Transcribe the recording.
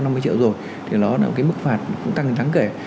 hai triệu năm mươi triệu rồi thì nó là cái mức phạt cũng tăng đáng kể